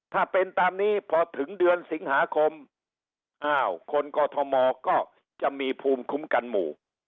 ถ้าเป็นตามนี้พอถึงเดือนสิงหาคมอ้าวคนกอทมก็จะมีภูมิคุ้มกันหมู่